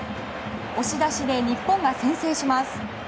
押し出しで日本が先制します。